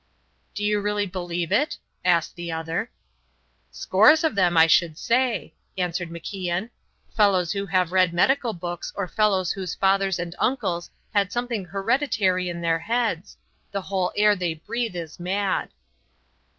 "Do you really believe it?" asked the other. "Scores of them, I should say," answered MacIan. "Fellows who have read medical books or fellows whose fathers and uncles had something hereditary in their heads the whole air they breathe is mad."